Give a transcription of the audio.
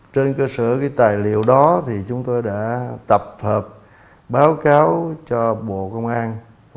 trên cơ sở cái tài liệu đó thì chúng tôi đã tập hợp báo cáo cho bộ công an